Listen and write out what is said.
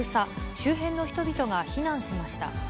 周辺の人々が避難しました。